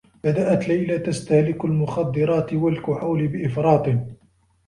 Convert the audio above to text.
بدأت ليلى تستهلك المخدّرات و الكحول بإفراط.